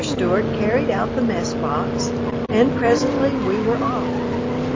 Stewart carried out the mess box, and presently we were off.